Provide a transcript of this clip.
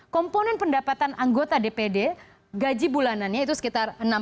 komponen pendapatan anggota dpd gaji bulanannya itu sekitar enam puluh